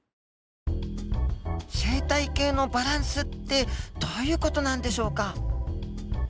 生態系のバランスってどういう事なんでしょうか？